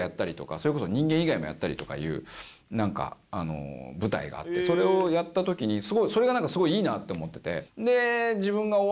それこそ人間以外もやったりとかいうなんか舞台があってそれをやった時にそれがなんかすごいいいなと思ってて。